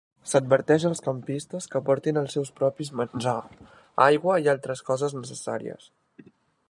S'adverteix als campistes que portin els seus propis menjar, aigua i altres coses necessàries.